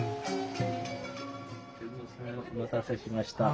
お待たせしました。